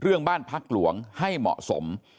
บ้านพักหลวงให้เหมาะสม